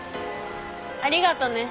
ありがとね。